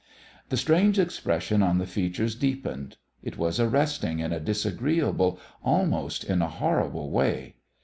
The strange expression on the features deepened. It was arresting in a disagreeable, almost in a horrible, way.